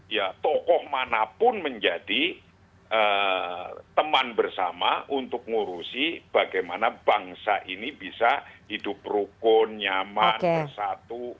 ya tokoh manapun menjadi teman bersama untuk ngurusi bagaimana bangsa ini bisa hidup rukun nyaman bersatu